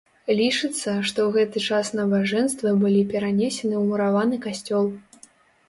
Лічыцца, што ў гэты час набажэнствы былі перанесены ў мураваны касцёл.